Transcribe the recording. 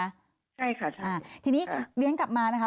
ใช่ค่ะทีนี้เงินกลับมานะคะ